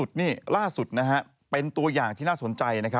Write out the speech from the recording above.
เค้าบอกล่าสุดนี่เป็นตัวอย่างที่น่าสนใจ